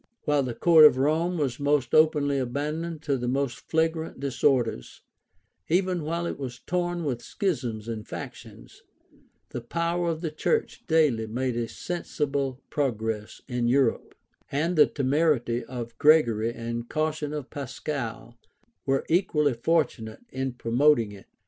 While the court of Rome was openly abandoned to the most flagrant disorders, even while it was torn with schisms and factions, the power of the church daily made a sensible progress in Europe; and the temerity of Gregory and caution of Pascal were equally fortunate in promoting it.